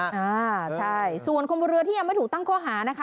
อ่าใช่ส่วนคนบนเรือที่ยังไม่ถูกตั้งข้อหานะคะ